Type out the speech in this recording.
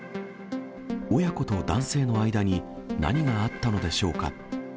親子と男性の間に何があったのでしょうか。